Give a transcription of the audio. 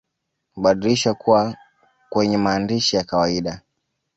Hubadilishwa kuwa kwenye maandishi ya kawaida